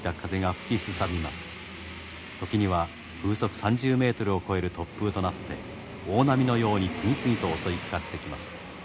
時には風速３０メートルを超える突風となって大波のように次々と襲いかかってきます。